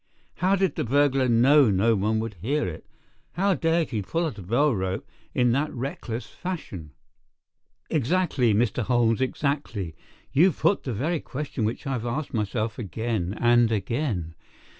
"How did the burglar know no one would hear it? How dared he pull at a bell rope in that reckless fashion?" "Exactly, Mr. Holmes, exactly. You put the very question which I have asked myself again and again.